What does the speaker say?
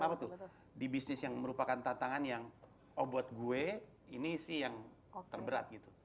apa tuh di bisnis yang merupakan tantangan yang oh buat gue ini sih yang terberat gitu